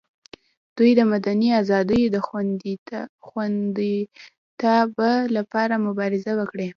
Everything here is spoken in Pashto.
دوی د مدني ازادیو د خوندیتابه لپاره مبارزه وکړي.